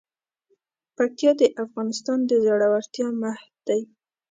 پکتیا د افغانستان د زړورتیا مهد دی.